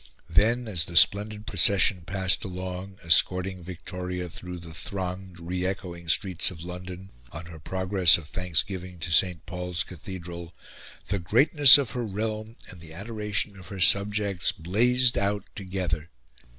Then, as the splendid procession passed along, escorting Victoria through the thronged re echoing streets of London on her progress of thanksgiving to St. Paul's Cathedral, the greatness of her realm and the adoration of her subjects blazed out together.